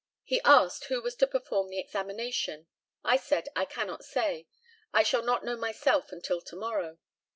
He asked who was to perform the examination. I said, "I cannot say. I shall not know myself until to morrow.